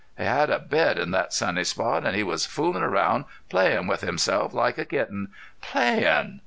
He had a bed in thet sunny spot an' he was foolin' around, playin' with himself like a kitten. Playin'!